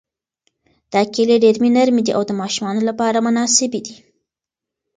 دا کیلې ډېرې نرمې دي او د ماشومانو لپاره مناسبې دي.